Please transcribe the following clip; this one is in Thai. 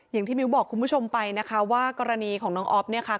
มิ้วบอกคุณผู้ชมไปนะคะว่ากรณีของน้องอ๊อฟเนี่ยค่ะ